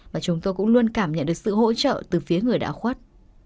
và chúng tôi cũng luôn cảm nhận được sự hỗ trợ từ phía người đã khuất